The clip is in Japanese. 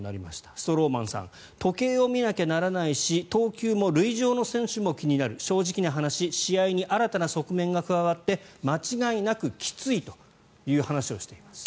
ストローマンさん時計を見なきゃならないし投球も塁上の選手も気になる正直な話試合に新たな側面が加わって間違いなくきついという話をしています。